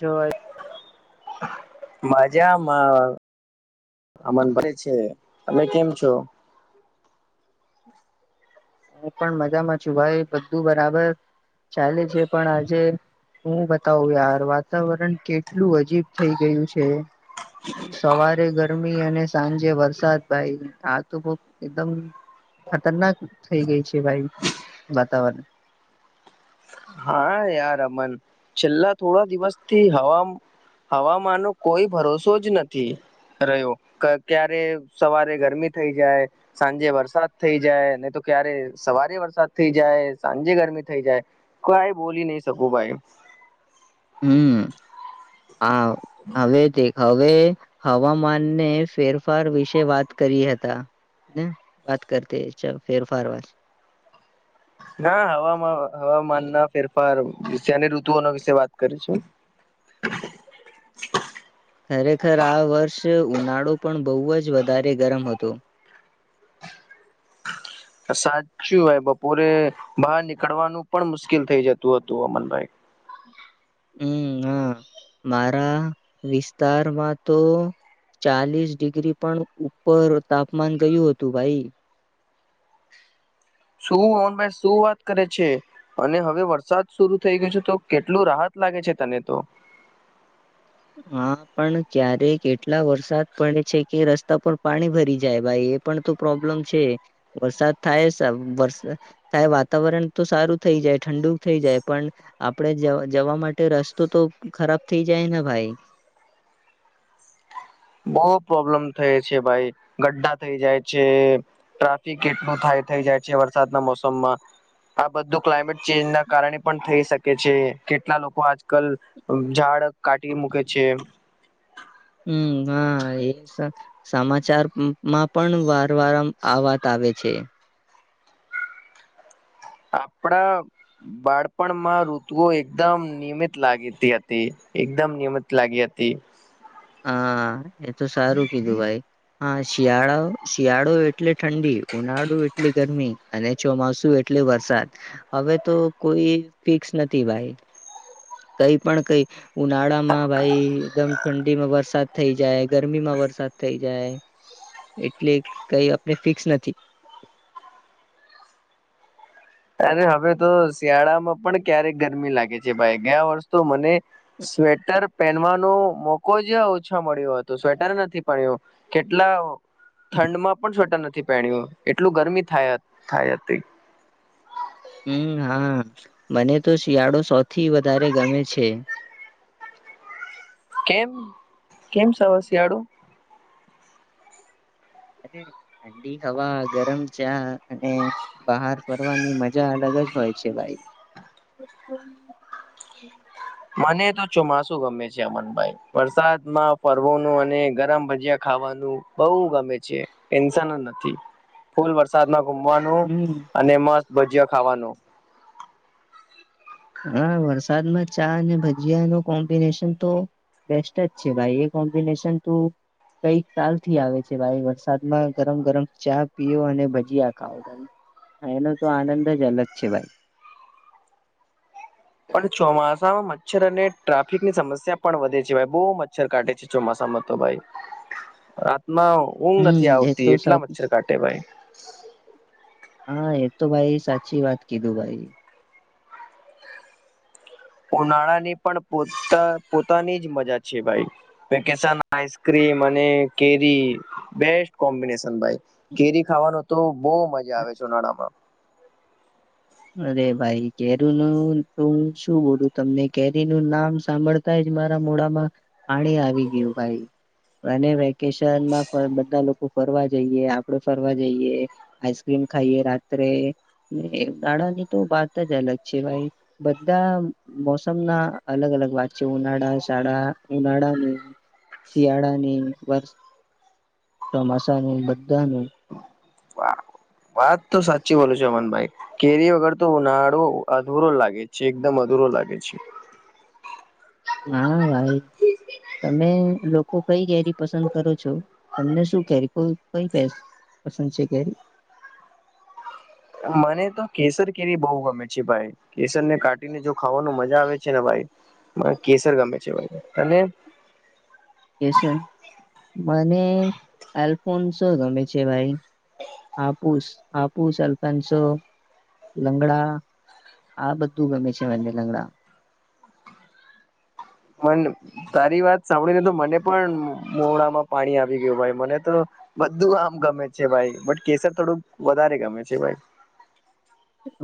જોવાય માજા માં અમન ભાઇ છે તમે કેમ છો એ પણ મજામાં છું ભાઈ બધું બરાબર ચાલે છે પણ આજે હું બતાવું યાર વાતાવરણ કેટલું અજીબ થઈ ગયું છે સવારે ગરમી અને સાંજે વરસાદ ભાઈ આ તો બ એકદમ ખતરનાક થઈ ગઈ છે ભાઈ વાતાવરણ હા યાર અમન છેલ્લા થોડા દિવસ થી હવાવામાં હવામાન ન કોઈ ભરોસો જ નથી રહ્યો કે ક્યારે સવારે ગરમી થઈ જાય સાંજે વરસાદ થઈ જાય નહી તો ક્યારે સવારે વરસાદ થઈ જાય સાંજે ગરમી થઈ જાય તો બોલી નહી શકું ભાઈ હા હવે તે હવે હવામાનને ફેરફાર વિશે વાત કરી હતા ને વાત કરતી ચ ફેરફાર વાત ના હવામાં હવામાન ના ફેરફાર ઋતુ ઓના વિશે વાત કરીશું [inaudible] [inaudible] [inaudible] [inaudible] ખરેખર આ વર્ષ ઉનાળો પણ બહુ જ વધારે ગરમ હતો [inaudible] [inaudible] સાચું આ બપોરે બહાર નીકળવાનું પણ મુશ્કેલ થઈ જતું હતું અમનભાઈ હમ હા મારા વિસ્તારમાં તો ચાલીસ ડિગ્રી પણ ઉપર તાપમાન ગયું હતું ભાઈ શું હનભાઈ શું વાત કરે છે અને હવે વરસાદ શરરૂ થઈ ગયો છે તો કેટલું રાહત લાગે છે તને તો હ હા પણ ક્યારેકટલા વરસાદ પડે છે કે રસ્તા પર પાણી ભરી જાય ભાઈ એ પણ તો પ્રોબ્લેમ છે વરસાદ થાય વર થાય વાતાવરણ તો સારું થાય થ જાય ઠંડુક થઈ જાય પણ આપડે જવા માટે રસ્તો તો ખરાબ થઈ જાય ને ભાઈ [inaudible] બહ પ્રોબ્લેમ થાય છે ભાઈ ગ્ડા થઈ જાય છે ટ્રાફિક કેટલું થાય થઈ જાય છે વરસાદના મોસમમાં આ બધું ક્લાઇમેટ ચેન્જ ના કારણે પણ થઈ શકે છે કેટલા લોકો આજકાલ ઝાડ બાડક કાઢ મૂકે છે [inaudible] હમ હા એ સમાચારમાં પણ વાર વાર આમ આવવાતા લે છે આપણા બાળપણમાં ઋતુઓ એકદમ નિયમિત લાગીતી હતી એકદમ નિયમિત લાગી હતી હા એ તો સારું કીધું ભાઈ હા શિયાળા શિયાળો એઅટલે ઠંડી ઉનાળુ ગરમી અને ચોમાસુ એટલે વરસાદ હવે તો કોઈ ફિક્સ નથી ભાઈ કઈ પણ કઈ ઉનાળા માં ભાઈ એકદમ ઠડીમાં વરસાદ થઈ જાય ગરમી માં વરસાદ થઇ જાય એટલે કઈ આપને ફિક્સ નથી અરે હવે તો શિયાળામાં પણ ક્યારેક ગરમી લાગે છે ભાઈ ગયા વર્ષ તો મને સ્વેટર પહેનવાનો મોકો જ ઓછા મળ્યો હતું સ્વેટર નથી પણ્યો કેટલા ઠંડમાં પણ સ્વેટર નથી પ એટલું ગરમી થાય થાય હતી હમ હા મને તો શિયાળો સૌથી વધારે ગમે છે કેમ કેમ સમસળું અરે ઠંડી હવા ગરમ ચા અને બહાર ફરવાની મજા અલગ હોય છે ભાઈ મને તો ચોમાસુ ગમે છે અમનભાઈ વરસાદમાં ફરવાનું અને ગરમ ભજીયા ખવા બ ગમે છે નથી ફૂલ વરસાદમાં ઘુમવાનું હમ અને મસ્ત ભજીયા ખાવાનું હા વરસાદમાં ચા અને ભજીયા ન કોમ્બિનેશન તો બેસ્ટ જ છે ભાઈ એ કોમ્બિનેશન તું કઈ કલ થી આવે છે ભાઈ વરસાદમાં ગરમ ગરમ ચા પીઓ અને ભજીયા ખાવ ત હા એનો તો આનંદ જ અલગ છે ભાઈ પણ ચોમાસામાં મચ્છર અને ટ્રાફિકની સમસ્યા પણ વધે છે ભાઈ બહુ મચ્છર કાટે છે ચોમાસામાં મ તો ભાઈ રા ના ઊંઘ નથી હમ એ આવતી તો સા એટલા મચ્છર કાટે ભાઈ. હા એ તો ભાઈ સાચી વાત કીધું ભાઈ. ઉનાળાની પણ પોતા પોતાની જ મજા છે ભાઈ વેકેશન આઈસ્ક્રીમ કે મને કેરી બેસ્ટ કોમ્બિનેશન ભાઈ. કેરી ખાવાનો તો બહુ મજા આવે છે ઉનાળામાં. અરે ભાઈ કેરી નું તું શું બોલું તમને કેરી નું નામ સાંભળતા જ મારા મોડામાં પાણી આવી ગયું ભાઈ. અને વેકેશનમાં પણ બધા લોકો ફરવા જઈએ આપડે ફરવા જઈએ આઈસ્ક્રીમ ખાઈએ રાત્રે ને નાણા ની તો વાત જ અલગ છે ભાઈ બધા મોસમ ના અલગ અલગ વાત છે હું ઉનાળા શાળા ઉનાળાની શિયાળાની વરષ ચોમાસા નુ બધા નુ વાત તો સાચી બોલું છે અમનભાઈ કેરી વગર તો ઉનાળો અધુરો લાગે છે એકદમ અધૂ અધૂરો લાગે છે. હા ભાઈ. તમે લોકો કઈ કેરી પસંદ કરો છો તમને શું કેરી કઈ પસ પસંદ છે કેરી મને તો કેસર કેરી બહુ ગમે છે ભાઈ કેસર ને કાઢીને જો ખાવાનું મજા આવે છે ને ભાઈ કેસર ગમે છે ભાઈ અને કેસ મને આલ્ફોન શો ગમે છે ભાઈ. હાપૂસ હાપૂસ અલ્ફન્સો લંગડા આ બધું ગમે છે મને લંગડા પણ તારી વાત સાંભળીને તો મને પણ મોડામાં પાણી આવી ગયું ભાઈ મને તો બધું આમ ગમે છે ભાઈ બટ કેસર થોડુંક વધારે ગમે છે ભાઈ.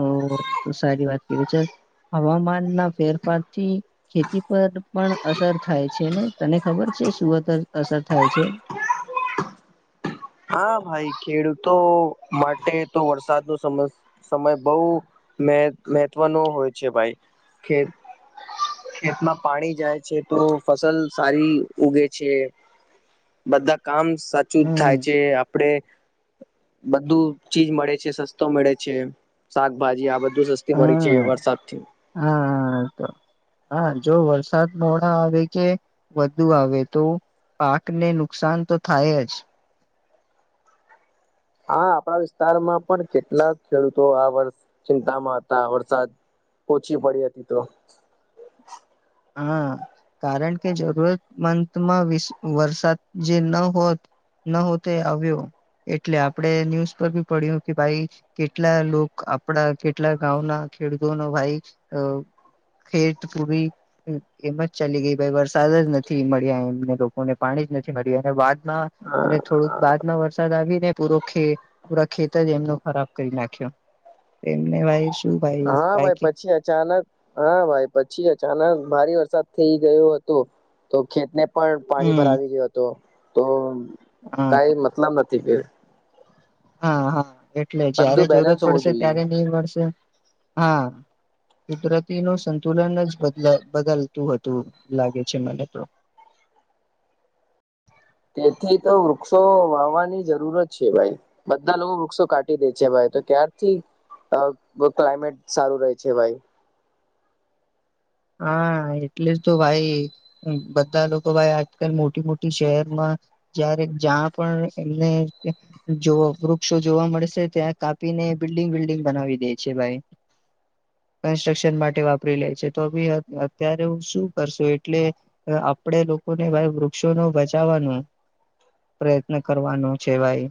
ઓ તો સારી વાત કરી છે હવામાન ના ફેરફાર થી ખેતી પર પણ અસર થાય છે ને. તને ખબર છે સુરત અસર થાય છે. હા ભાઈ ખેડૂતો માટે તો વરસાદ નુ સમ સમય બઉ મેં મહત્વનો હોય છે ભાઈ કે ખેતમાં પાણી જાય છે તો ફસલ સારી ઉગે છે. બધા કામ સાચું જ હમ થાય. છે આપડે બધું ચીજ મળે છે સસ્તો મળે છે શાકભાજી આ બધ સસ્તી મળી છે હા વરસાદથી હા તો હા જો વરસાદ મોડા આવે કે વધુ આવે તો પાક ને નુકસાન તો થાય જ હા આપણા વિસ્તારમાં પણ કેટલા ખેડૂતો આ વર્ષ ચિંતામાં હતા વરસાદ પૂચી પડી હતી તો હા. કારણ કે જરૂરતમંદમાં વીસ વરસાદ જે ન હોત ન હો તે આવ્યો એટલે આપડે ન્યૂઝ પર ભી પડ્યું કે ભાઈ કેટલા લોક આપડા કેટલા ગામના ખેડૂતોનો ભાઈ અ ખેત પૂરી એમ જ ચાલી ગઈ ભાઈ વરસાદ જ નથી મળ્યા એમને લોકોને પાણી જ નથી મળ્યું અને વાત હા અને થોડુંક બાદ વરસાદ આવીને પૂરુ ખે પૂરા ખેતર જ એમનો ખરાબ કરી નાખ્યો. એમને ભાઈ શું ભાઈ હા ભાઈ ક પછી અચાનક હા ભાઈ પછી અચાનક ભારે વરસાદ થઈ ગયો હતો તો ખેતને પણ પાણી ભરા હમ આવી ગયો હતો. તો હા કઈ મતલબ નથી કે હા-હા એટલે જયારે બધું જરૂરત બેલેન્સ હોવું પડશે જોઈએ ત્યારે નહી મળશે હા. કુદરતી ન સંતુલન જ બદ બદલતું હતું લાગે છે મને તો તેથી તો વૃક્ષો વાવવાની જરૂરત છે ભાઈ બધા લોકો વૃક્ષો કાઢી દે છે ભાઈ તો ક્યારથી ક્લાયમેટ સારું રહે છે ભાઈ હા એટલે જ તો ભાઈ બધા લોકો ભાઈ આજકાલ મોટી મોટી શહેરમાં જારે જ્યાં પણ એમને જો વૃક્ષો જોવા મળશે ત્યાં કાપી બિલ્ડીિંગ બિલ્ડિંગ બનાવી દે છે ભાઈ કન્સ્ટ્રક્શન માટે વાપરી લે છે તો ભી અત્યારે હું શું કરશું એટલે આપડે લોકોને ભાઈ વૃક્ષો નો બચાવવા પ્રયત્ન કરવાનો છે ભાઈ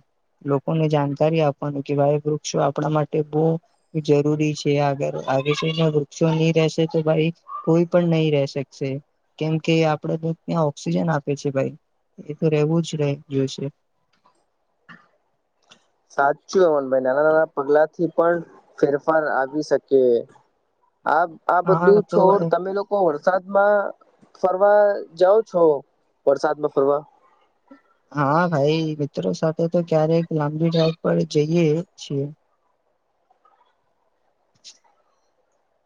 લોકોને જાણકારી આપવાનું કે ભાઈ વૃક્ષો આપણા માટે બહ જરૂરી છે આગળ આે છે વૃક્ષો નહી રશે તો ભાઈ કોઈ પણ નહી ર શકશે કેમ કે આપડે તો ત્યાં ઓક્સિજન આપે છે ભાઈ એ તો રહેવું જ રહી જોશે સાચું અમન ભાઈ નાના નાના પગલા થી પણ ફેરફાર આવી શકે આ આ બધું હા તો છોડ તમે લોકો વરસાદમાં ફરવા જાઓ છો વરસાદમાં ફરવા હા ભાઈ મિત્રો સાથે તો ક્યારેક લાંબી ડ્રાઈવ પર જઈએ છીએ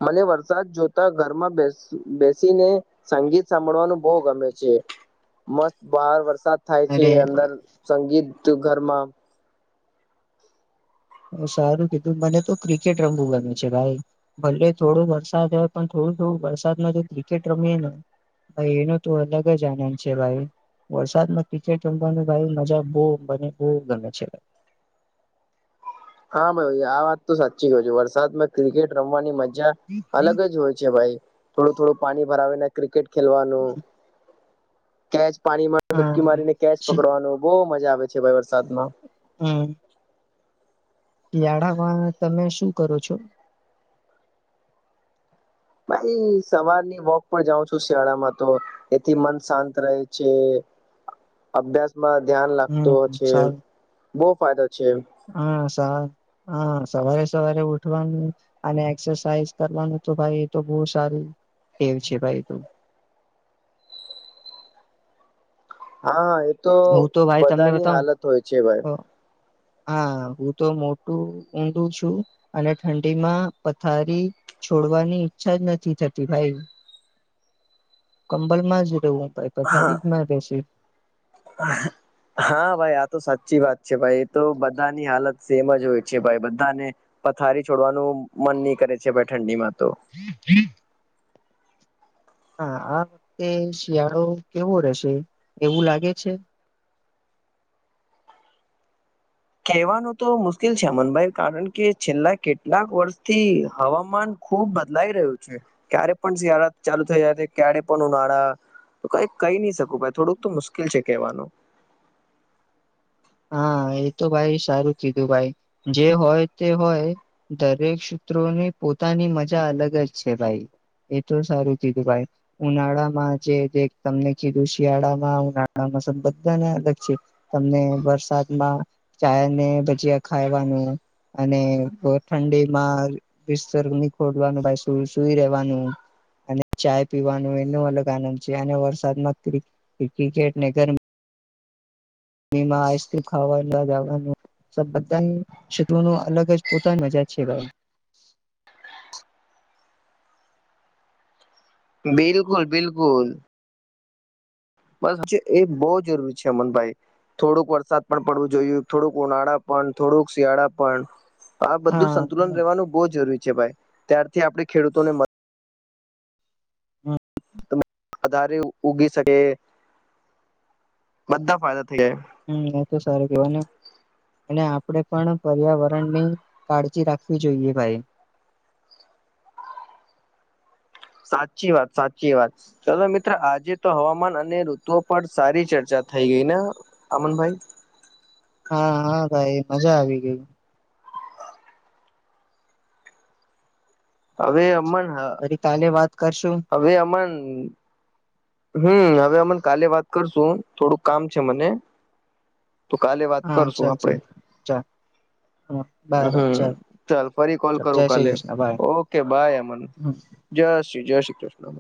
મને વરસાદ જોતા ઘરમાં બેસ બેસીને સંગીત સાંભળવાનું બહુ ગમે છે મસ્ત બહાર વરસાદ થાય છે અરે અંદર સંગીત ઘરમાં સારું કીધું મને તો ક્રિકેટ રમવું ગમે છે ભાઈ ભલે થોડો વરસાદ હોય પણડો વરસાદમાં ક્રિકેટ રમીએ ને ભાઈ એનો તો અલગ જ આનંદ છે ભાઈ વરસાદમાં કિકેટ રમવાની ભાઈ મજા બહુ બને બહ ગમે છે હા ભાઈ આ વાત તો સાચી ગય છે વરસાદમાં ક્રિકેટ રમવાની મજા અલગ જ હોય છે ભાઈ થોડું થોડું પાણી ભરાવેને ક્રિકેટ ખેલવાનું કેચ પાણીમાં ડુબકી હા મારીને કેચ શિ- પકડવાનું બહ મજા આવે છે ભ વરસાદમાં હમ શિયાળામાં તમે શું કરો છો ભાઈ સવારની વોક પણ જાઉ છું. શિયાળામાં તો એથી મન શાંત રહે છે. અભ્યાસમાં ધ્યાન લાગતુંઓ હમ છે સારું બહુ ફાયદો છે હા સ હા, સવારે સવારે ઉઠવાનું અને એક્સરસાાઈઝ કરવાનું તો ભાઈ એ તો બહું સારું બ્રેવ છે ભાઈ તું, હા હા એ તો ભાઈ તમને બધાની બતાવું હાલત હોય છે ભાઈ, અ, હા હું તો મોટું ઊંધું છું, અને ઠંડીમાં પથારી છોડવાની ઈચ્છા જ નથી થતી ભાઈ, કંબલમાં જ રહવું. પથારી જ માં રહેશે, હા, હા ભાઈ આ તો સાચી વાત છે, ભાઈ એ તો બધાની હાલત સેમ જ હોય છે ભાઈ બધાને, પથારી છોડવાનું મન નહી કરે છે. ભઈ ઠંડીમાં તો હમ [inaudible] હા આ વખતે શિયાળો કેવો રહેશે? એવું લાગે છે. કહેવાનું તો મુશ્કેલ છે. અમનભાઈ કારણ કે છેલ્લા કેટલાક વર્ષથી હવામાન ખુબ બદલાઈ રહ્યું છે. ક્યારે પણ શિયાળા ચાલુ થઈ જાય છે. ક્યારે પણ ઉનાળા તો કઈ કહી નહી શકું ભાઈ, થોડુંક તો મુશ્કેલ છે કહેવાનું. હા, હા એ તો ભાઈ સારું કીધું ભાઈ જે હોય તે હોય, દરેક સૂત્રોની પોતાની મજા અલગ જ છે ભાઈ એ તો સારું કીધું ભાઈ ઉનાળામાં જે તે તમને કીધું શિયાળામાં, ઉનાળામાં પસંદ બધાને અલગ છે. તમને વરસાદમાં ચાય અને ભજીયા ખાવાનું અને ઠંડીમાં બિસ્તર નિ ખોલવાનું ભાઈ સુ સુઈ રહેેવાનું. અને ચાય પીવાનું એનો અલગ આનંદ છે. અને વરસાદમાં ક્રિકે ક્રિકેટને ગરમી મી માં આઈસક્રીમ ખાવાનું જાવાનું બધા ની શેત્રુ ઓનુ અલગ જ પોતાની મજા છે. ભાઈ [inaudible] બિલકુલ બિલકુલ! બસ એ બહુ જરૂરી છે. અમનભાઈ થોડુંક વરસાદ પણ પડવું જોયું, થોડુંક ઉનાળા પણ, થોડુંક શિયાળા પણ આ બધું હા સંતુલન રહેેવાનું બહુ જરૂરી છે. ભાઈ ત્યારથી આપણે ખેડૂતોને વધારે ઉગી શકે [inaudible] બધા ફાયદા. થઈ જાય હમ એ તો સારું કેવાનુ. અને આપણે પણ પર્યાવરણની કાળજી રાખવી જોઈએ ભાઈ. [inaudible] સાચી વાત સાચી વાત ચલો મિત્ર આજે તો, હવામાન અને ઋતુઓ પર સારી ચર્ચા થઈ ગઈ ને અમનભાઈ? હા હા ભાઈ મજા આવી ગય. હવે અમન ફરી કાલે વાત કરશું હવે અમન હમ હવે અમને કાલે વાત કરશું. થોડુંક કામ છે મને, તો કાલે વાત હા કરશું ચાલ આપડે. ચાલ ચાલ બાય બાય હમ ચાલ ચાલ ફરી કોલ ચાલ જય કરું શ્રી કાલે Krishna bye okay bye. Aman હમ જય શ્રી જય શ્રી કૃષ્ણ